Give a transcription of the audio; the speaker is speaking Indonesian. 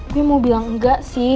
ini mau bilang enggak sih